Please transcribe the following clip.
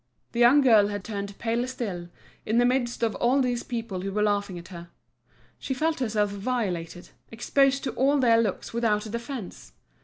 The young girl had turned paler still, in the midst of all these people who were laughing at her. She felt herself violated, exposed to all their looks, without defence.